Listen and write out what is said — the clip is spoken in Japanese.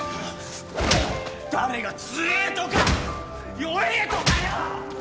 誰が強えとか弱えとかよ！